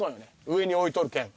上に置いとるけん。